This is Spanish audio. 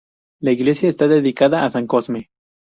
La iglesia está dedicada a san Cosme.